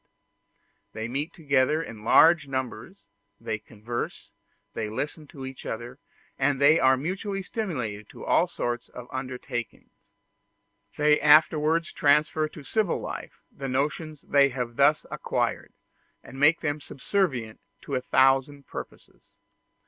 There they meet together in large numbers, they converse, they listen to each other, and they are mutually stimulated to all sorts of undertakings. They afterwards transfer to civil life the notions they have thus acquired, and make them subservient to a thousand purposes.